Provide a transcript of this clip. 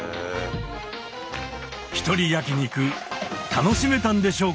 ひとり焼き肉楽しめたんでしょうか？